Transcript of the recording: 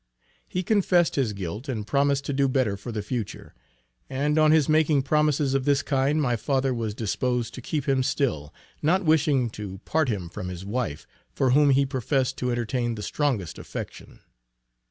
He confessed his guilt and promised to do better for the future and on his making promises of this kind my father was disposed to keep him still, not wishing to part him from his wife, for whom he professed to entertain the strongest affection.